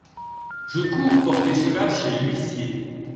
Je cours porter cela chez l’huissier.